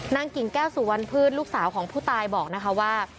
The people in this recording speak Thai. นางกิงแก้วสู่วันพืชลูกสาวของผู้ตายบอกนะคะว่า